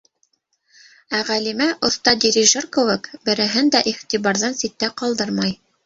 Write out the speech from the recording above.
Ә Ғәлимә, оҫта дирижер кеүек, береһен дә иғтибарҙан ситтә ҡалдырмай.